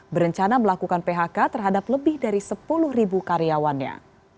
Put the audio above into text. berencana melakukan phk terhadap lebih dari sepuluh ribu karyawannya